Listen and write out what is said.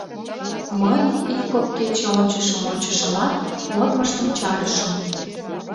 Мый, ик-кок кече ончышым-ончышымат, модмыштым чарышым.